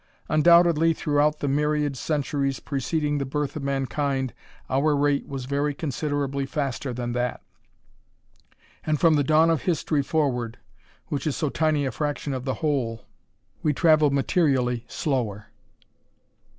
Undoubtedly throughout the myriad centuries preceding the birth of mankind our rate was very considerably faster than that; and from the dawn of history forward which is so tiny a fraction of the whole we traveled materially slower.